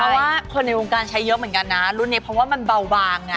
เพราะว่าคนในวงการใช้เยอะเหมือนกันนะรุ่นนี้เพราะว่ามันเบาบางนะ